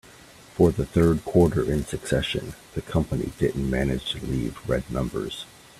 For the third quarter in succession, the company didn't manage to leave red numbers.